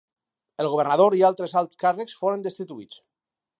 El governador i altres alt càrrecs foren destituïts.